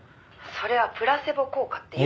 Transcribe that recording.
「それはプラセボ効果っていうの」